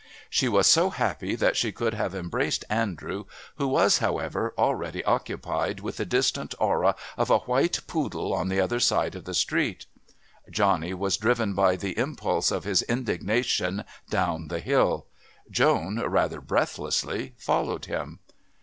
She was so happy that she could have embraced Andrew, who was, however, already occupied with the distant aura of a white poodle on the other side of the street. Johnny was driven by the impulse of his indignation down the hill. Joan, rather breathlessly, followed him.